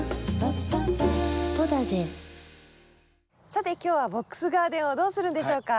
さて今日はボックスガーデンをどうするんでしょうか？